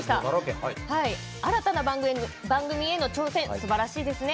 新たな番組への挑戦すばらしいですね。